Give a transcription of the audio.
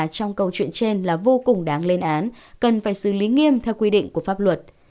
trong câu chuyện trên là vô cùng đáng lên án cần phải xử lý nghiêm theo quy định của pháp luật